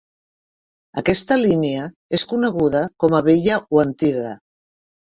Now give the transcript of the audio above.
Aquesta línia és coneguda com a vella o antiga.